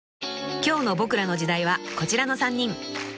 ［今日の『ボクらの時代』はこちらの３人］